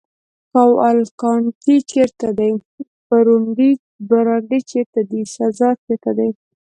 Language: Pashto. کاوالکانتي چېرې دی؟ برونډي چېرې دی؟ سزار چېرې دی؟